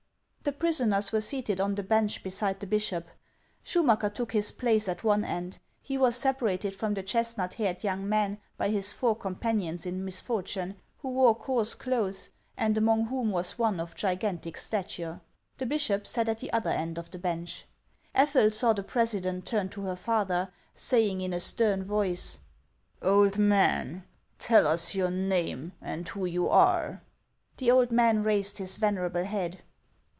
The prisoners were seated on the bench beside the bishop. Schumacker took his place at one end ; he was separated from the chestnut haired young man by his four companions in misfortune, who wore coarse clothes, and HANS OF ICELAND. 435 among whom was one of gigantic stature. The bishop sat at the other end of the bench. Ethel saw the president turn to her father, saying in a stern voice: "Old man, tell us your name, and who you are." The old man raised his venerable head.